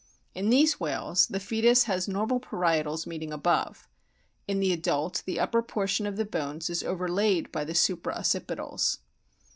In these whales the foetus has normal parietals meeting above ; in the adult the upper portion of the bones is overlaid by the supra occipitals.